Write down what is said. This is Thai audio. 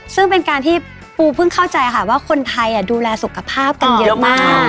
ซึ่งเป็นการที่ปูเพิ่งเข้าใจค่ะว่าคนไทยดูแลสุขภาพกันเยอะมาก